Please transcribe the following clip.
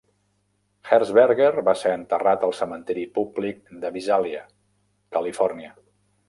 Hershberger va ser enterrat al cementiri públic de Visalia, Califòrnia.